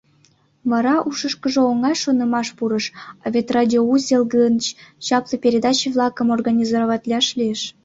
Вара ушышкыжо оҥай шонымаш пурыш: «А вет радиоузел гыч чапле передаче-влакым организоватлаш лиеш».